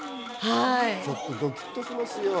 ちょっとドキっとしますよ。